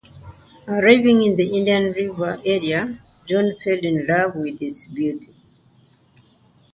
Arriving in the Indian River area, John fell in love with its beauty.